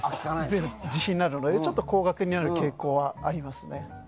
全部、自費になるのでちょっと高額になる傾向はあります。